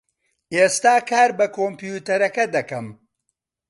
ئێستا کار بە کۆمپیوتەرەکە دەکەم.